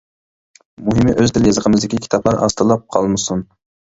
مۇھىمى ئۆز تىل-يېزىقىمىزدىكى كىتابلار ئاستىلاپ قالمىسۇن.